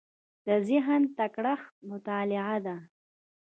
د ذهن تکړښت مطالعه ده.